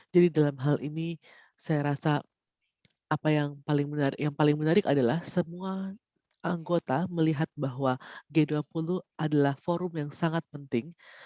jadi dalam hal ini saya rasa yang paling menarik adalah semua anggota melihat bahwa g dua puluh adalah forum yang sangat penting